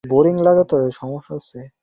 ওর হাতে ফুল-সাইজের একটা প্লেট বসানো।